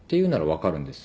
分かるんです。